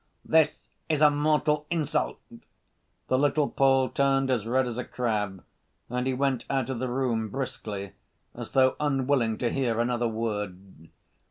"This is a mortal insult!" The little Pole turned as red as a crab, and he went out of the room, briskly, as though unwilling to hear another word.